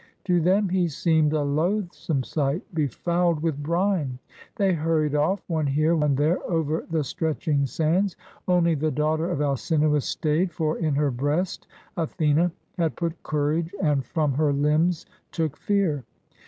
To them he seemed a loathsome sight, be fouled with brine. They hurried off, one here, one there, over the stretching sands. Only the daughter of Alcin oiis stayed, for in her breast Athene had put courage and from her limbs took fear.